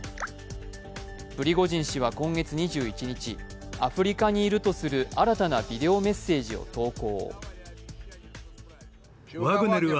プリゴジン氏は今月２１日、アフリカにいるとする新たなビデオメッセージを投稿。